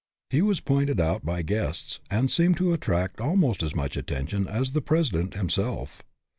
He was pointed out by guests, and seemed to attract almost as much attention as the President himself.